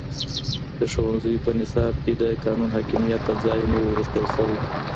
د ښوونځیو په نصاب کي د قانون حاکمیت ته ځای نه و ورکړل سوی.